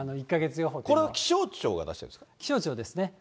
これは気象庁が出してるんで気象庁ですね。